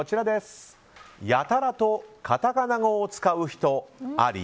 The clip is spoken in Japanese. やたらとカタカナ語を使う人あり？